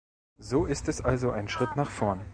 So ist es also ein Schritt nach vorn.